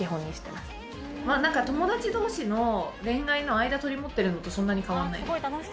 まぁ何か友達同士の恋愛の間取り持ってるのとそんなに変わんないんで。